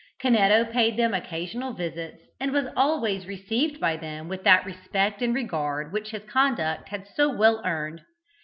Canetto paid them occasional visits, and was always received by them with that respect and regard which his conduct had so well earned.